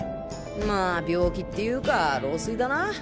まあ病気っていうか老衰だな。